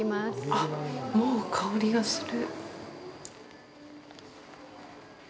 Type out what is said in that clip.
あっ、もう香りがする！